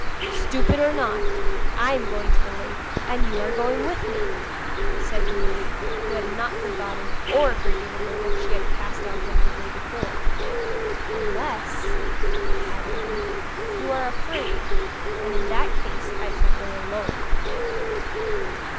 'Stupid or not, I am going to the lake, and you are going with me!' said Youri, who had not forgotten or forgiven the look she had cast on him the day before. 'Unless,' added he, 'you are afraid, and in that case I shall go alone.'